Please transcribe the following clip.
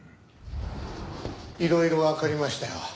いろいろわかりました。